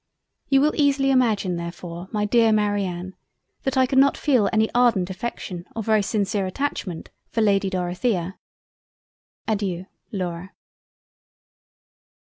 You will easily imagine therefore my Dear Marianne that I could not feel any ardent affection or very sincere Attachment for Lady Dorothea. Adeiu. Laura.